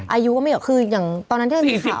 อายุก็ไม่เกี่ยวคืออย่างตอนนั้นที่มีข่าว